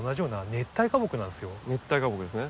熱帯花木ですね。